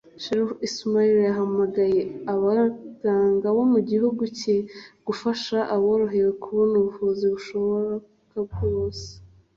Chérif Ismaïl yahamagariye abaganga bo mu gihugu cye gufasha abarohowe kubona ubuvuzi bushoboka bwose